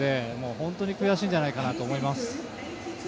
本当に悔しいんじゃないかなと思います。